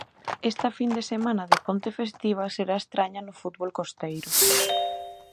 Esta fin de semana de ponte festiva será estraña no fútbol costeiro.